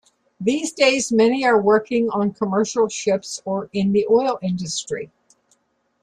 These days many are working on commercial ships or in the oil industry.